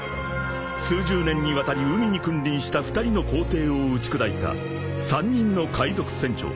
［数十年にわたり海に君臨した２人の皇帝を打ち砕いた３人の海賊船長］